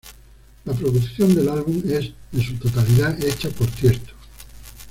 La producción del álbum es en su totalidad hecha por Tiësto.